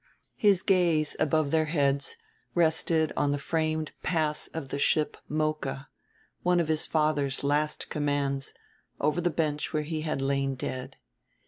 His gaze, above their heads, rested on the framed pass of the ship Mocha, one of his father's last commands, over the bench where he had lain dead.